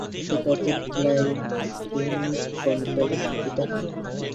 এতে তাদের গ্লাইকেমিক কন্ট্রোলে সুবিধা হয়।